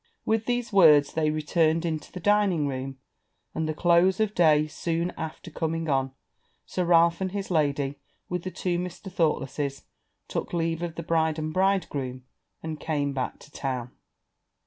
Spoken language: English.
With these words they returned into the dining room; and the close of day soon after coming on, Sir Ralph and his lady, with the two Mr. Thoughtlesses, took leave of the bride and bridegroom, and came back to town.